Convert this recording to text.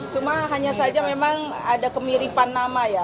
cuma hanya saja memang ada kemiripan nama ya